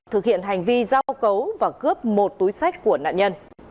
thực hiện hành vi giao cấu và cướp một túi sách của nạn nhân